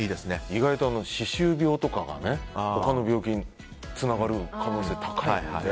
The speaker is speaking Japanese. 意外と歯周病とかが他の病気につながる可能性高いので。